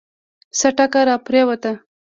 څه ټکه راپرېوته.